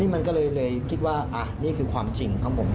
มันเลยคิดว่านี่คือความจริงของผมทั้งหมด